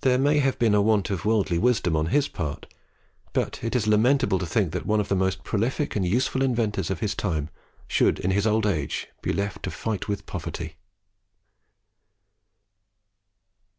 There may have been a want of worldly wisdom on his part, but it is lamentable to think that one of the most prolific and useful inventors of his time should in his old age be left to fight with poverty.